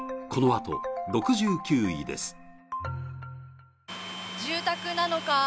このあと６９位です